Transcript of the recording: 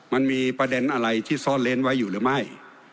มันมีประเด็นอะไรที่ซ่อนเล้นไว้อยู่หรือไม่